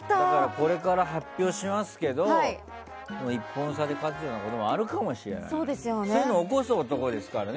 これから発表しますけど１本差で春日とかあるかもしれない。